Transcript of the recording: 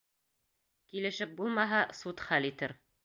Килешеп булмаһа, суд хәл итер